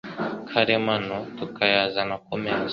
karemano, tukayazana ku meza.